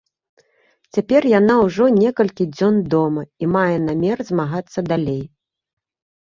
Цяпер яна ўжо некалькі дзён дома і мае намер змагацца далей.